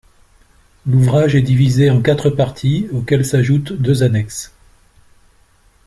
L'ouvrage est divisé en quatre parties auxquelles s'ajoutent deux annexes.